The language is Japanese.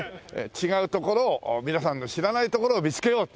違う所を皆さんの知らない所を見つけようという事でね。